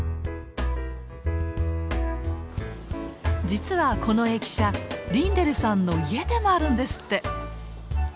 実はこの駅舎リンデルさんの家でもあるんですって。